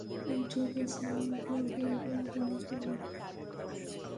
ঠিক আছে, ব্লবি, এবার তোমার পালা।